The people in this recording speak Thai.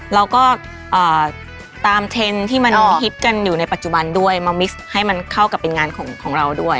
เราก็ตามเทรนด์ที่มันฮิตกันอยู่ในปัจจุบันด้วยมามิกซ์ให้มันเข้ากับเป็นงานของเราด้วย